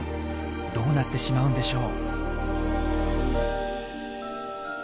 どうなってしまうんでしょう？